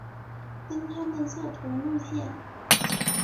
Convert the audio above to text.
跟他们坐同路线